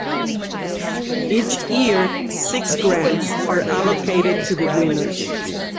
Each year, six grants are allocated to the winners.